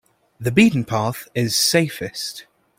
The beaten path is safest.